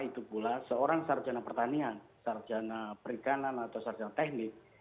karena itu pula seorang sarjana pertanian sarjana perikanan atau sarjana teknis